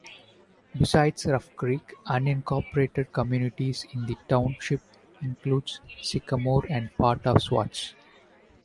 Besides Ruff Creek, unincorporated communities in the township include Sycamore and part of Swarts.